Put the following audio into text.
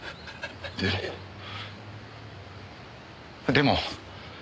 でも。